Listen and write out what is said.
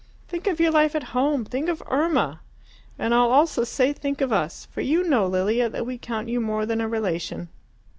Think of your life at home think of Irma! And I'll also say think of us; for you know, Lilia, that we count you more than a relation.